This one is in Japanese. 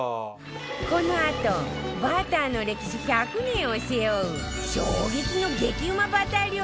このあとバターの歴史１００年を背負う衝撃の激うまバター料理登場